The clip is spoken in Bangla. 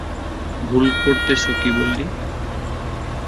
ভুল করতেছো কী বললি?